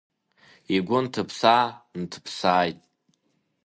Игәы нҭыԥсаа-нҭыԥсааит.